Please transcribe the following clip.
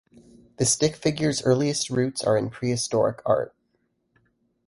The stick figure's earliest roots are in prehistoric art.